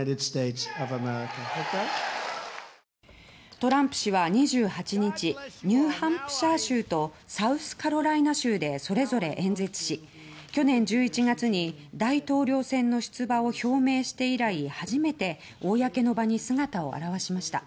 トランプ氏は２８日ニューハンプシャー州とサウスカロライナ州でそれぞれ演説し去年１１月に大統領選の出馬を表明して以来初めて公の場に姿を現しました。